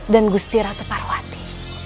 dan gusti ratu parwati